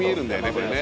これね。